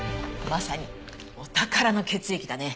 まさにお宝の血液だね。